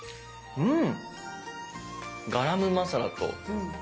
うん。